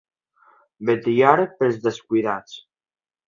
Vetllar pels descuidats.